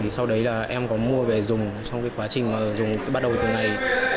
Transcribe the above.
sau đấy là em có mua về dùng trong cái quá trình mà dùng bắt đầu từ ngày hai mươi sáu